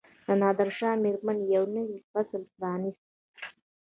د نادرشاه مړینې یو نوی فصل پرانیست.